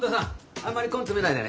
あんまり根詰めないでね。